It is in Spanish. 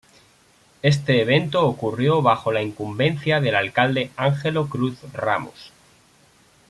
Este evento ocurrió bajo la incumbencia del Alcalde Ángelo Cruz Ramos.